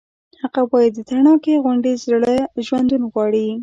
هغه وایی د تڼاکې غوندې زړه ژوندون غواړي